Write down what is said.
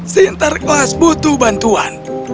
sinterklas butuh bantuan